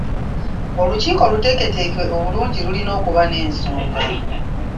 Olukiiko oluteeketeeke obulungi lulina okuba n'ensonga.